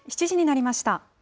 ７時になりました。